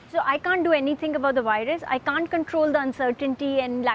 saya tidak bisa melakukan apa apa tentang virus